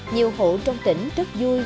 nhiều hộ trong tỉnh rất vui